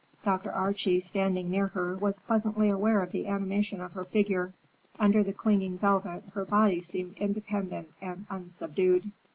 Dr. Archie, standing near her, was pleasantly aware of the animation of her figure. Under the clinging velvet, her body seemed independent and unsubdued.